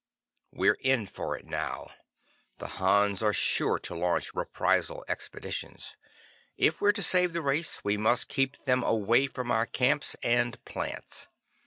"We're in for it now. The Hans are sure to launch reprisal expeditions. If we're to save the race we must keep them away from our camps and plants.